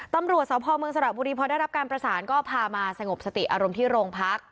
ตำรวจสพเมืองสระบุรีพอได้รับการประสานก็พามาสงบสติอารมณ์ที่โรงพัก